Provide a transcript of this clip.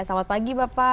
selamat pagi bapak